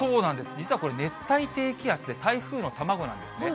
実はこれ、熱帯低気圧で、台風の卵なんですね。